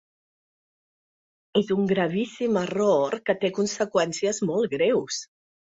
És un gravíssim error que té conseqüències molt greus.